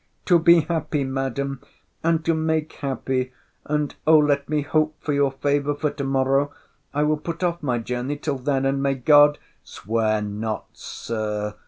'— To be happy, Madam; and to make happy!—And, O let me hope for your favour for to morrow—I will put off my journey till then—and may God— Swear not, Sir!